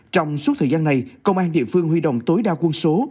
trong suốt thời gian này công an địa phương huy động tối đa quân số